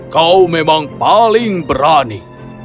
kau memang paling berani